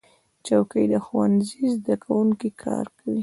چوکۍ د ښوونځي زده کوونکي کاروي.